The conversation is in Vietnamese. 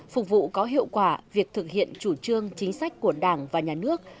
phục vụ có hiệu quả việc thực hiện chủ trương chính sách của đảng và nhà nước